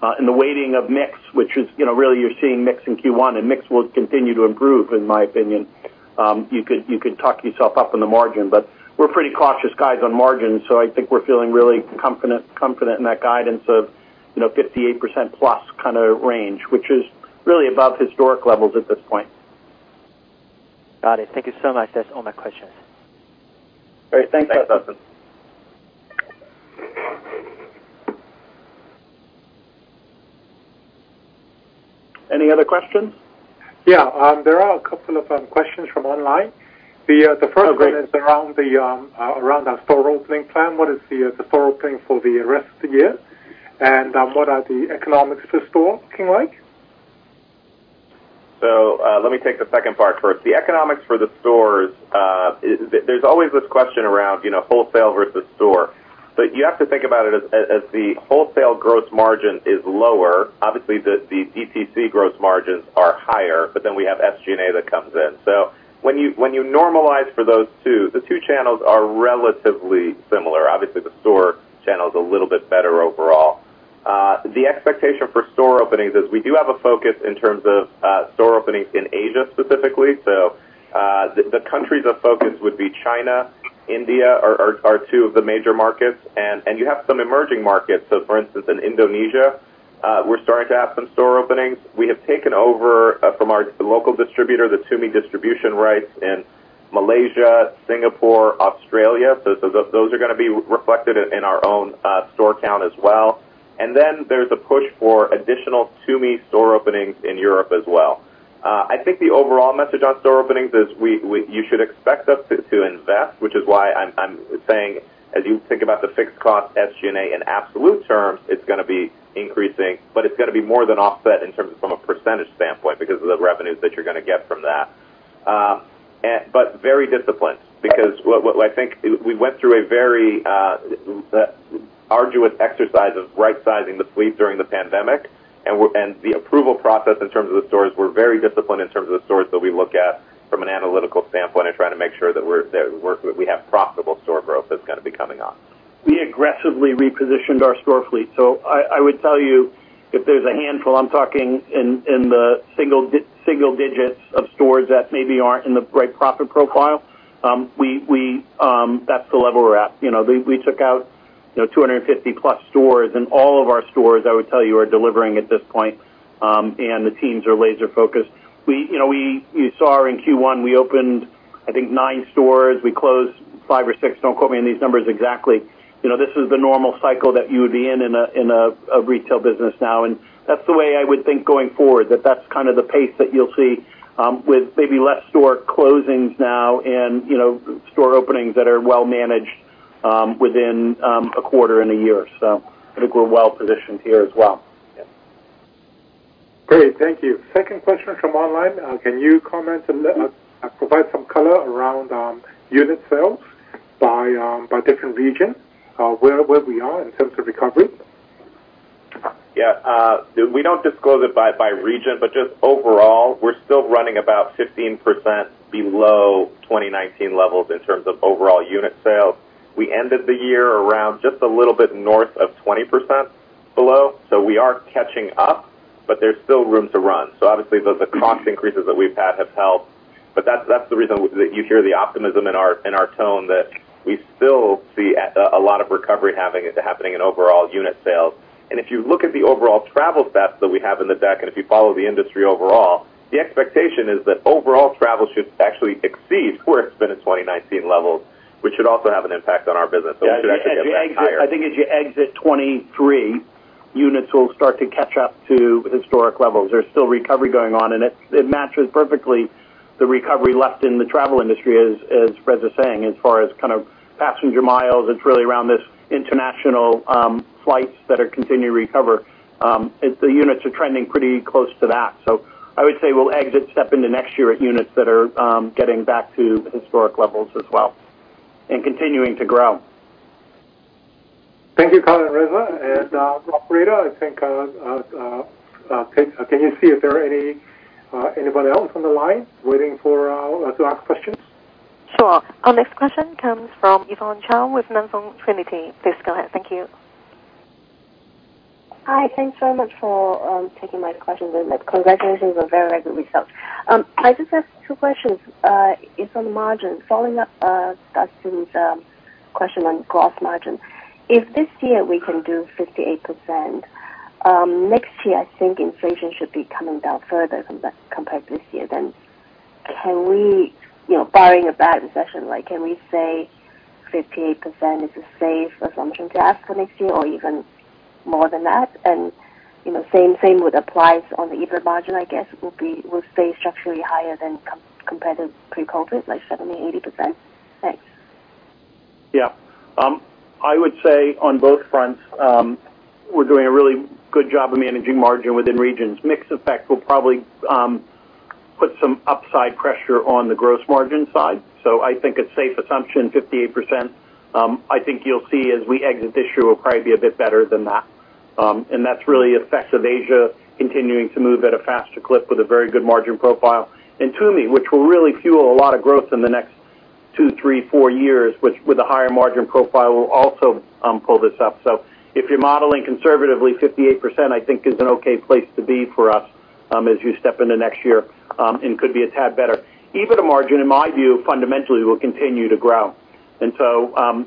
And the weighting of mix, which is, you know, really you're seeing mix in Q1, and mix will continue to improve, in my opinion. You could talk yourself up in the margin, but we're pretty cautious guys on margin, so I think we're feeling really confident in that guidance of, you know, 58%+ kind of range, which is really above historic levels at this point. Got it. Thank you so much. That's all my questions. Great. Thanks, Justin. Thanks, Justin. Any other questions? Yeah. There are a couple of questions from online. The first one. Okay... is around the around our store opening plan. What is the store opening for the rest of the year? What are the economics of the store looking like? Let me take the second part first. The economics for the stores, there's always this question around, you know, wholesale versus store. You have to think about it as the wholesale gross margin is lower. Obviously, the DTC gross margins are higher, then we have SG&A that comes in. When you normalize for those two, the two channels are relatively similar. Obviously, the store channel is a little bit better overall. The expectation for store openings is we do have a focus in terms of store openings in Asia specifically. The countries of focus would be China, India are two of the major markets, and you have some emerging markets. For instance, in Indonesia, we're starting to have some store openings. We have taken over from our local distributor, the Tumi distribution rights in Malaysia, Singapore, Australia. Those are gonna be reflected in our own store count as well. There's a push for additional Tumi store openings in Europe as well. I think the overall message on store openings is you should expect us to invest, which is why I'm saying as you think about the fixed cost SG&A in absolute terms, it's gonna be increasing, it's gonna be more than offset in terms of from a percentage standpoint because of the revenues that you're gonna get from that. Very disciplined because what I think we went through a very arduous exercise of right-sizing the fleet during the pandemic. The approval process in terms of the stores, we're very disciplined in terms of the stores that we look at from an analytical standpoint and trying to make sure that we have profitable store growth that's gonna be coming on. We aggressively repositioned our store fleet. I would tell you if there's a handful, I'm talking in the single digits of stores that maybe aren't in the right profit profile. That's the level we're at. You know, we took out, you know, 250+ stores and all of our stores, I would tell you, are delivering at this point. The teams are laser focused. We, you saw in Q1, we opened, I think nine stores. We closed five or six. Don't quote me on these numbers exactly. You know, this is the normal cycle that you would be in in a retail business now. That's the way I would think going forward, that that's kind of the pace that you'll see, with maybe less store closings now and, you know, store openings that are well managed, within a quarter and a year. I think we're well positioned here as well. Great. Thank you. Second question from online. Can you provide some color around unit sales by different regions, where we are in terms of recovery? Yeah, we don't disclose it by region, but just overall, we're still running about 15% below 2019 levels in terms of overall unit sales. We ended the year around just a little bit north of 20% below. We are catching up, but there's still room to run. Obviously, the cost increases that we've had have helped. That's the reason that you hear the optimism in our tone that we still see a lot of recovery happening in overall unit sales. If you look at the overall travel stats that we have in the deck, and if you follow the industry overall, the expectation is that overall travel should actually exceed where it's been at 2019 levels, which should also have an impact on our business. We should actually get back higher. Yeah. As you exit, I think as you exit 23, units will start to catch up to historic levels. There's still recovery going on, and it matches perfectly the recovery left in the travel industry, as Reza saying, as far as kind of passenger miles, it's really around this international flights that are continuing to recover. The units are trending pretty close to that. I would say we'll exit step into next year at units that are getting back to historic levels as well and continuing to grow. Thank you, Kyle and Reza. Operator, I think, can you see if there are any anybody else on the line waiting for to ask questions? Sure. Our next question comes from Yvonne Chow with Nan Fung Trinity. Please go ahead. Thank you. Hi. Thanks so much for taking my questions. Congratulations on very, very good results. I just have two questions. It's on margin. Following up Justin's question on gross margin. If this year we can do 58%, next year, I think inflation should be coming down further compared to this year. Can we, you know, barring a bad recession, like, can we say 58% is a safe assumption to ask for next year or even more than that? You know, same would apply on the EBIT margin, I guess, will be, will stay structurally higher than competitive pre-COVID, like 70%, 80%? Thanks. I would say on both fronts, we're doing a really good job of managing margin within regions. Mix effect will probably put some upside pressure on the gross margin side. I think a safe assumption, 58%. I think you'll see as we exit this year, we'll probably be a bit better than that. That's really effects of Asia continuing to move at a faster clip with a very good margin profile. Tumi, which will really fuel a lot of growth in the next two, three, four years with a higher margin profile, will also pull this up. If you're modeling conservatively, 58%, I think is an okay place to be for us as you step into next year, could be a tad better. EBITDA margin, in my view, fundamentally will continue to grow.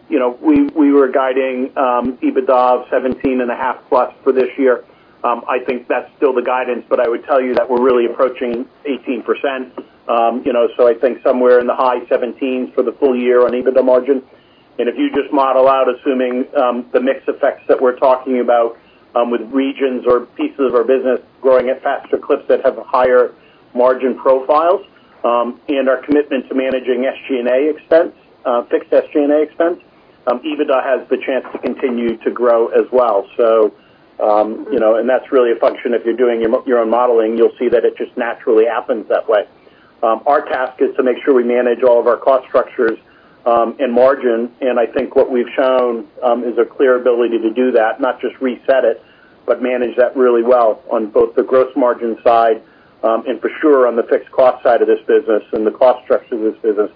You know, we were guiding EBITDA of 17.5%+ for this year. I think that's still the guidance, but I would tell you that we're really approaching 18%. You know, I think somewhere in the high 17s for the full year on EBITDA margin. If you just model out, assuming the mix effects that we're talking about, with regions or pieces of our business growing at faster clips that have higher margin profiles, and our commitment to managing SG&A expense, fixed SG&A expense, EBITDA has the chance to continue to grow as well. You know, that's really a function if you're doing your own modeling, you'll see that it just naturally happens that way. Our task is to make sure we manage all of our cost structures and margin. I think what we've shown is a clear ability to do that, not just reset it, but manage that really well on both the gross margin side and for sure on the fixed cost side of this business and the cost structure of this business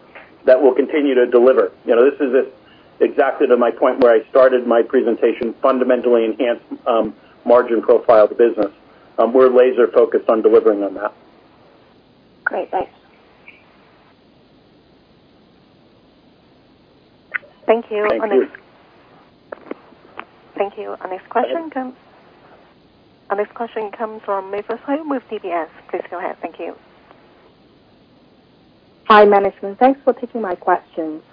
that will continue to deliver. You know, this is it exactly to my point where I started my presentation, fundamentally enhance margin profile of the business. We're laser focused on delivering on that. Great. Thanks. Thank you. Thank you. Thank you. Our next question comes from Melissa Hsia with CLSA. Please go ahead. Thank you. Hi, management. Thanks for taking my questions.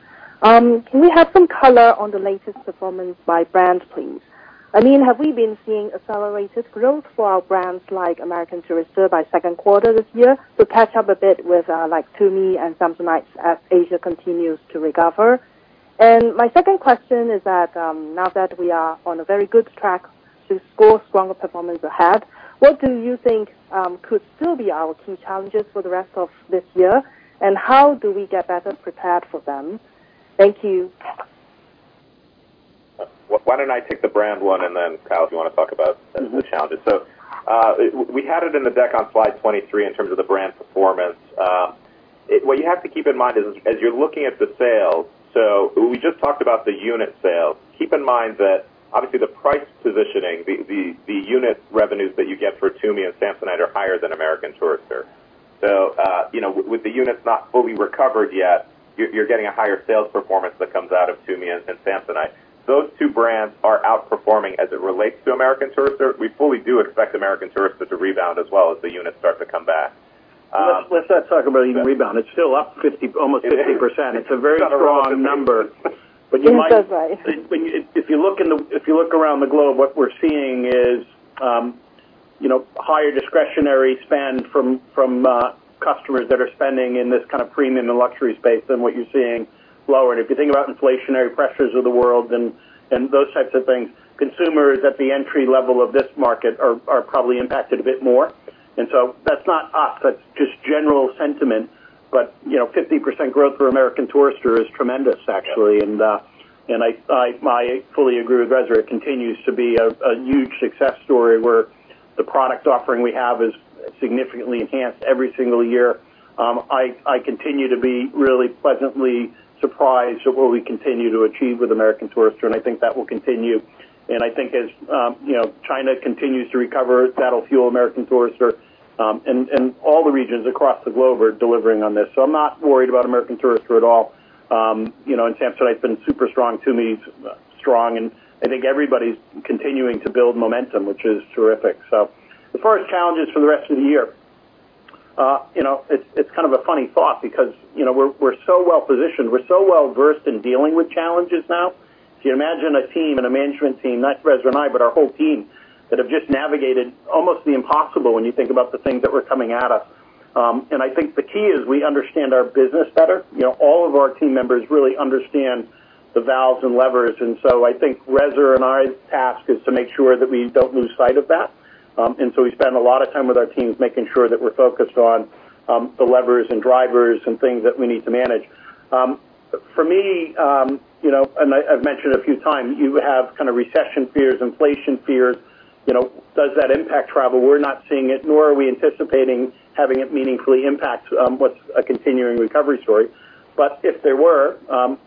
Can we have some color on the latest performance by brand, please? I mean, have we been seeing accelerated growth for our brands like American Tourister by second quarter this year to catch up a bit with like Tumi and Samsonite as Asia continues to recover? My second question is that, now that we are on a very good track to score stronger performance ahead, what do you think could still be our key challenges for the rest of this year, and how do we get better prepared for them? Thank you. Why don't I take the brand one and then, Kyle, if you wanna talk about the challenges. We had it in the deck on slide 23 in terms of the brand performance. What you have to keep in mind is as you're looking at the sales, we just talked about the unit sales. Keep in mind that obviously the price positioning, the unit revenues that you get for Tumi and Samsonite are higher than American Tourister. You know, with the units not fully recovered yet, you're getting a higher sales performance that comes out of Tumi and Samsonite. Those two brands are outperforming as it relates to American Tourister. We fully do expect American Tourister to rebound as well as the units start to come back. Let's not talk about even rebound. It's still up 50%, almost 50%. It is. It's a very strong number. That's right. If you look around the globe, what we're seeing is, you know, higher discretionary spend from customers that are spending in this kind of premium and luxury space than what you're seeing lower. If you think about inflationary pressures of the world and those types of things, consumers at the entry level of this market are probably impacted a bit more. That's not us, that's just general sentiment. You know, 50% growth for American Tourister is tremendous actually. I fully agree with Reza. It continues to be a huge success story where the product offering we have is significantly enhanced every single year. I continue to be really pleasantly surprised at what we continue to achieve with American Tourister, and I think that will continue. And I think as, you know, China continues to recover, that'll fuel American Tourister, and all the regions across the globe are delivering on this. I'm not worried about American Tourister at all. You know, and Samsonite's been super strong, Tumi's strong, and I think everybody's continuing to build momentum, which is terrific. The first challenge is for the rest of the year. You know, it's kind of a funny thought because, you know, we're so well positioned, we're so well-versed in dealing with challenges now. If you imagine a team and a management team, not Reza and I, but our whole team, that have just navigated almost the impossible when you think about the things that were coming at us. I think the key is we understand our business better. You know, all of our team members really understand the valves and levers. So I think Reza and I's task is to make sure that we don't lose sight of that. So we spend a lot of time with our teams making sure that we're focused on the levers and drivers and things that we need to manage. For me, you know, and I've mentioned a few times, you have kind of recession fears, inflation fears, you know, does that impact travel? We're not seeing it, nor are we anticipating having it meaningfully impact, what's a continuing recovery story. If there were,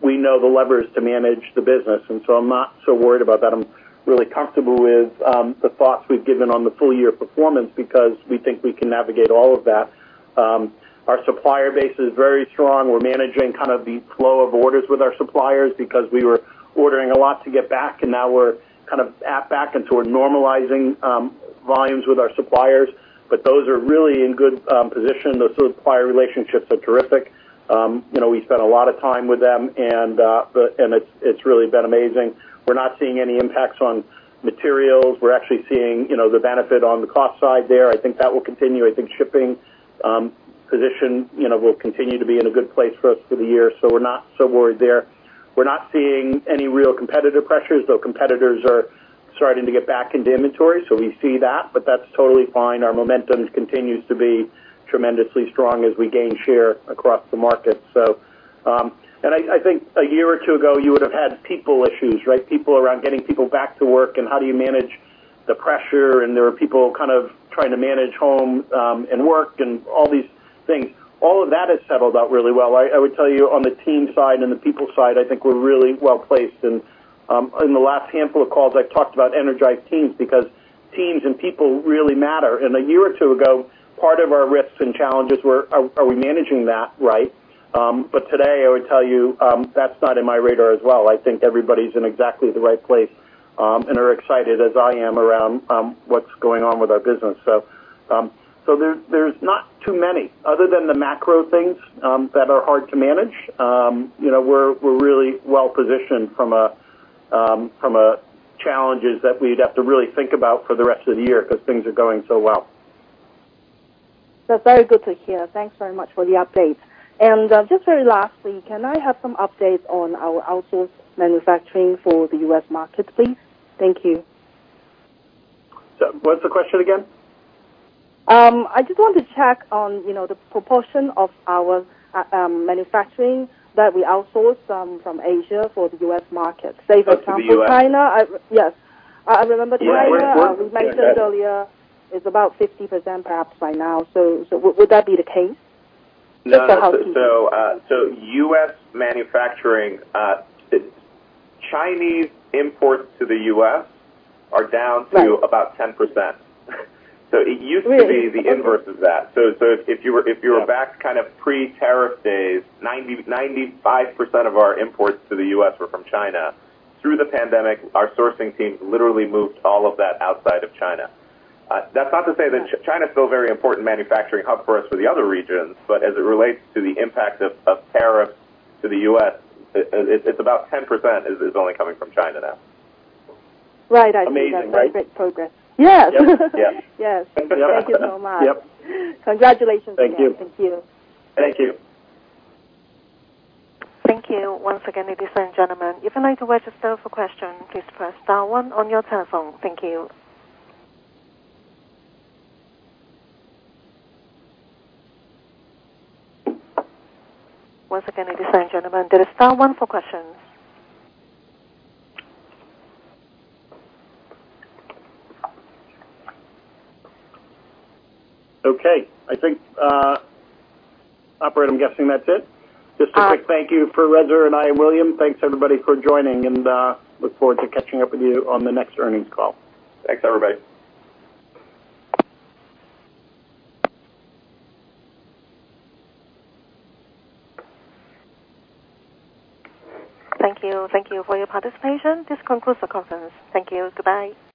we know the levers to manage the business, and so I'm not so worried about that. I'm really comfortable with, the thoughts we've given on the full year performance because we think we can navigate all of that. Our supplier base is very strong. We're managing kind of the flow of orders with our suppliers because we were ordering a lot to get back, and now we're kind of at back and toward normalizing, volumes with our suppliers. Those are really in good, position. Those supplier relationships are terrific. You know, we spent a lot of time with them and it's really been amazing. We're not seeing any impacts on materials. We're actually seeing, you know, the benefit on the cost side there. I think that will continue. I think shipping position, you know, will continue to be in a good place for us through the year, so we're not so worried there. We're not seeing any real competitive pressures, though competitors are starting to get back into inventory, so we see that, but that's totally fine. Our momentum continues to be tremendously strong as we gain share across the market. I think a year or two ago, you would have had people issues, right? People around getting people back to work and how do you manage the pressure, and there were people kind of trying to manage home and work and all these things. All of that has settled out really well. I would tell you on the team side and the people side, I think we're really well-placed. In the last handful of calls, I've talked about energized teams because teams and people really matter. A year or two ago, part of our risks and challenges were, are we managing that right? Today, I would tell you, that's not in my radar as well. I think everybody's in exactly the right place, and are excited as I am around, what's going on with our business. There's not too many. Other than the macro things, that are hard to manage, you know, we're really well-positioned from a challenges that we'd have to really think about for the rest of the year because things are going so well. That's very good to hear. Thanks very much for the update. Just very last thing. Can I have some updates on our outsourced manufacturing for the U.S. market, please? Thank you. What's the question again? I just want to check on, you know, the proportion of our manufacturing that we outsource from Asia for the US market. Say, for example, China- To the U.S. Yes. I remember- Yeah. You mentioned earlier it's about 50% perhaps by now. Would that be the case? US manufacturing, Chinese imports to the US are down. Right. About 10%. It used to be the inverse of that. If you were back kind of pre-tariff days, 90%-95% of our imports to the U.S. were from China. Through the pandemic, our sourcing team literally moved all of that outside of China. That's not to say that China's still a very important manufacturing hub for us for the other regions, but as it relates to the impact of tariffs to the U.S., it's about 10% is only coming from China now. Right. I see. Amazing, right? That's great progress. Yes. Yes. Yes. Yes. Thank you so much. Yep. Congratulations again. Thank you. Thank you. Thank you. Thank you once again, ladies and gentlemen. If you'd like to register for question, please press star one on your telephone. Thank you once again, ladies and gentlemen, dial star one for questions. I think, operator, I'm guessing that's it. Uh- Just a quick thank you for Reza and I. William, thanks, everybody, for joining, look forward to catching up with you on the next earnings call. Thanks, everybody. Thank you. Thank you for your participation. This concludes the conference. Thank you. Goodbye.